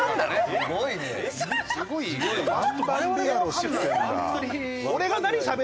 すごいな。